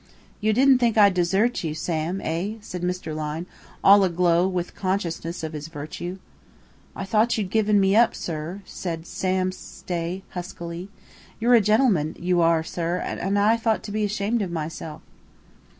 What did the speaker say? "You didn't think I'd desert you, Sam, eh?" said Mr. Lyne, all aglow with consciousness of his virtue. "I thought you'd given me up, sir," said Sam Stay huskily. "You're a gentleman, you are, sir, and I ought to be ashamed of myself!"